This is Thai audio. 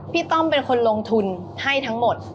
ต้อมเป็นคนลงทุนให้ทั้งหมด